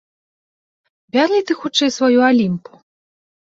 - Бяры ты хутчэй сваю Алiмпу.